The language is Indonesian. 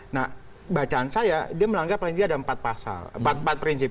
nah bacaan saya dia melanggar paling tidak ada empat pasal empat prinsip